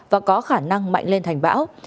và có khả năng mạnh lên thành bão